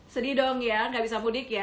sedih dong ya nggak bisa mudik ya